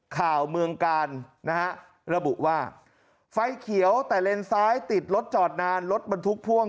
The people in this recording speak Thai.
ข่าวเมืองกาลนะฮะระบุว่าไฟเขียวแต่เลนซ้ายติดรถจอดนานรถบรรทุกพ่วง